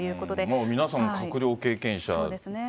もう皆さん、閣僚経験者。